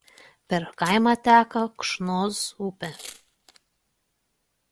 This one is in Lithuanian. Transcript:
Per kaimą teka Kžnos upė.